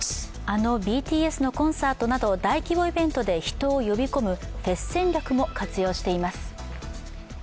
あのＢＴＳのコンサートなど大規模イベントで人を呼び込むフェス戦略も活用しています。